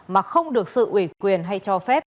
mà không được sự ủy quyền hay cho phép